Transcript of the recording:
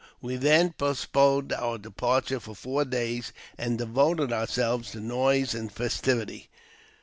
We then postponed our departure four days, and devoted ourselves to noise and festivity.